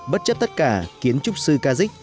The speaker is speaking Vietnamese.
bất chấp tất cả kiến trúc sư kazik